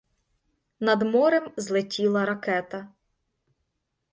Над морем злетіла ракета.